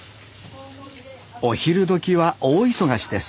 お昼どきは大忙しです